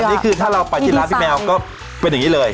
อันนี้คือถ้าเราไปที่ร้านพี่แมวก็เป็นอย่างนี้เลย